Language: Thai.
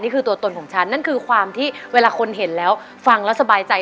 ตัวตนของฉันนั่นคือความที่เวลาคนเห็นแล้วฟังแล้วสบายใจ